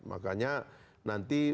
makanya nanti berarti